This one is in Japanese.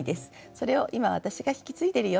それを今私が引き継いでるよ